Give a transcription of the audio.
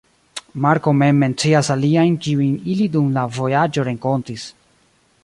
Marko mem mencias aliajn, kiujn ili dum la vojaĝo renkontis.